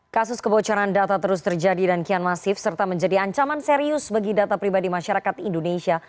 kasus kebocoran data terus terjadi dan kian masif serta menjadi ancaman serius bagi data pribadi masyarakat indonesia